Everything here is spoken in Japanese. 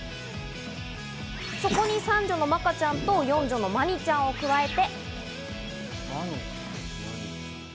そこに三女の苺可ちゃんと四女の稀丹ちゃんを加えて。